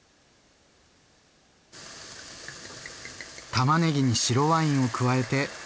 たまねぎに白ワインを加えて。